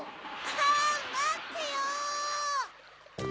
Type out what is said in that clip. あんまってよ！